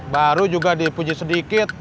baru juga dipuji sedikit